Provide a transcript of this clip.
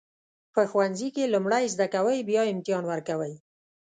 په ښوونځي کې لومړی زده کوئ بیا امتحان ورکوئ.